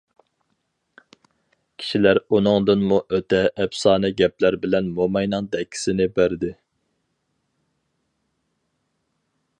كىشىلەر ئۇنىڭدىنمۇ ئۆتە ئەپسانە گەپلەر بىلەن موماينىڭ دەككىسىنى بەردى.